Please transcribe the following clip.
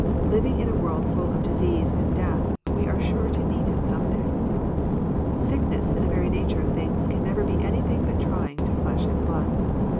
Living in a world full of disease and death, we are sure to need it some day. Sickness, in the ^ery nature of things, can never be anything but trying to flesh and blood.